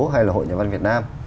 hay là hội nhà văn việt nam